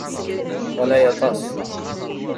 Ɣlay aṭas.